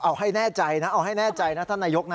เอาให้แน่ใจนะเอาให้แน่ใจนะท่านนายกนะ